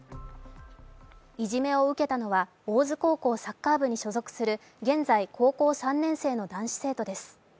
いじめを受けたのは大津高校サッカー部に所属する現在３年生の男子生徒です。